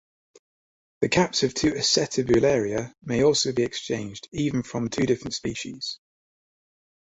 The caps of two "Acetabularia" may also be exchanged, even from two different species.